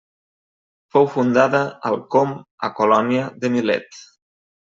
Fou fundada al com a colònia de Milet.